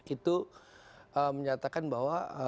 itu menyatakan bahwa